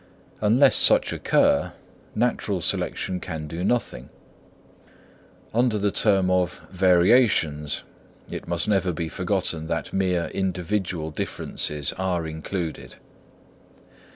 Unless such occur, natural selection can do nothing. Under the term of "variations," it must never be forgotten that mere individual differences are included.